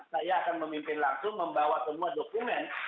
saya akan memimpin langsung membawa semua dokumen